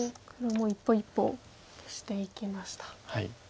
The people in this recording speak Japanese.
黒も一歩一歩していきました。